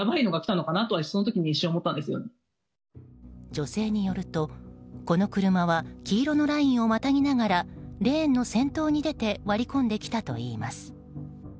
女性によると、この車は黄色のラインをまたぎながらレーンの先頭に出て割り込んできたといいます。